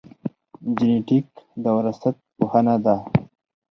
جینېټیک د وراثت پوهنه ده